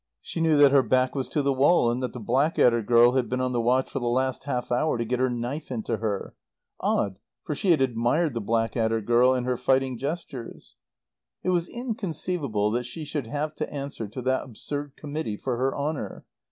She knew that her back was to the wall and that the Blackadder girl had been on the watch for the last half hour to get her knife into her. (Odd, for she had admired the Blackadder girl and her fighting gestures.) It was inconceivable that she should have to answer to that absurd committee for her honour.